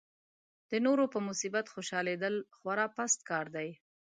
د نورو په مصیبت خوشالېدا خورا پست کار دی.